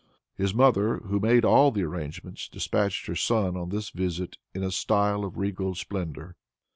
His mother, who made all the arrangements, dispatched her son on this visit in a style of regal splendor.